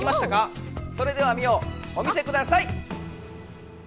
それではミオお見せください。